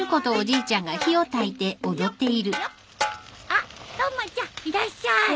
あったまちゃんいらっしゃい。